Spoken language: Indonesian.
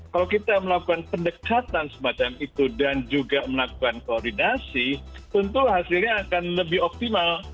kalau kita melakukan pendekatan semacam itu dan juga melakukan koordinasi tentu hasilnya akan lebih optimal